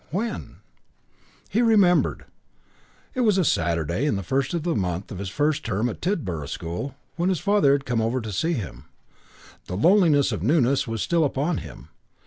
When? He remembered. It was a Saturday in the first month of his first term at Tidborough School when his father had come over to see him. The loneliness of newness was still upon him.